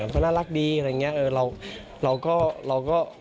ก็น่ารักดีอะไรอย่างนี้